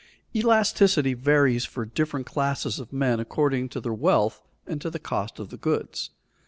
_ Elasticity varies for different classes of men according to their wealth and to the cost of the goods.